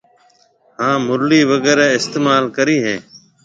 هانَ مُرلِي وغيره استعمال ڪريَ هيَ